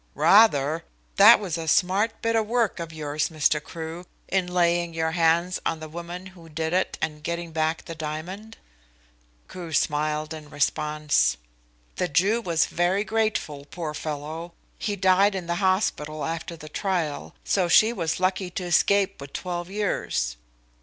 "Rather! That was a smart bit of work of yours, Mr. Crewe, in laying your hands on the woman who did it and getting back the diamond." Crewe smiled in response. "The Jew was very grateful, poor fellow. He died in the hospital after the trial, so she was lucky to escape with twelve years.